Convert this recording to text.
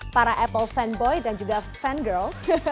para apple fanboy dan juga fangirl